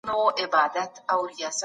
پاکوالی نيمه ايمان دی.